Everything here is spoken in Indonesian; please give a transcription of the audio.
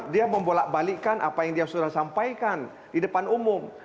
dia membolak balikan apa yang dia sudah sampaikan di depan umum